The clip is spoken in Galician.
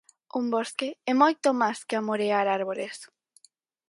Un bosque é moito mais que amorear árbores.